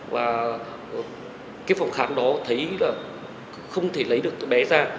và cái phòng khám đó thấy là không thể lấy được bé ra